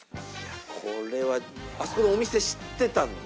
これはあそこのお店知ってたんです。